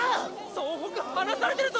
総北離されてるぞ！